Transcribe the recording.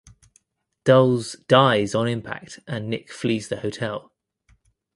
Dulles dies on impact and Nick flees the hotel.